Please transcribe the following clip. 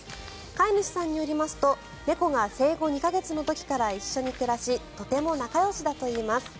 飼い主さんによりますと猫が生後２か月の時から一緒に暮らしとても仲よしだといいます。